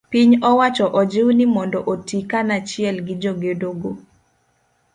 piny owacho ojiw ni mondo oti kanachiel gi jogedo go.